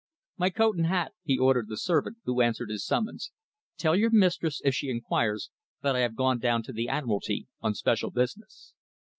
My coat and hat," he ordered the servant who answered his summons. "Tell your mistress, if she enquires, that I have gone down to the Admiralty on special business."